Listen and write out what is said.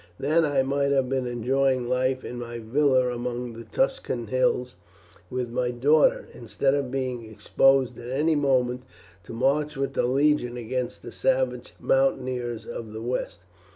Then I might have been enjoying life in my villa among the Tuscan hills with my daughter, instead of being exposed at any moment to march with the Legion against the savage mountaineers of the west.